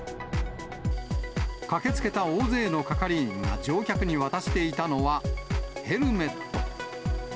駆けつけた大勢の係員が乗客に渡していたのは、ヘルメット。